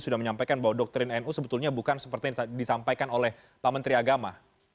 sudah menyampaikan bahwa doktrin nu sebetulnya bukan seperti yang disampaikan oleh pak menteri agama